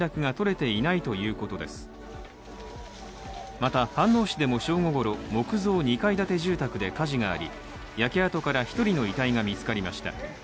また、飯能市でも正午ごろ木造２階建て住宅で火事があり、焼け跡から１人の遺体が見つかりました。